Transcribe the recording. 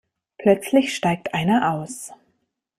Plötzlich steigt einer aus.